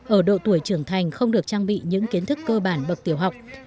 ở độ tuổi trưởng thành không được trang bị những kiến thức cơ bản bậc tiểu học